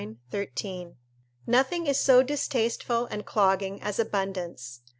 ] Nothing is so distasteful and clogging as abundance.